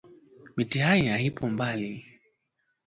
mitihani haipo mbali